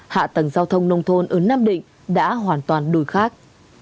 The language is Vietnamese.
hạ tầng giao thông nông thôn ở nam định đã hoàn toàn đồi khác